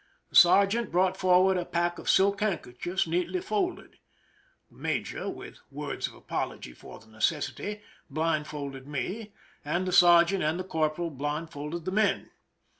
The sergeant brought forward a pack of silk handkerchiefs, neatly folded. The major, with words of apology for the necessity, blindfolded me, and the sergeant and the corporal blindfolded the men.